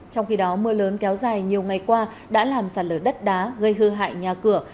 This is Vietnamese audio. trong khi đó mưa lớn kéo dài nhiều ngày qua đã làm sạt lở đất đá gây hư hại nhà cửa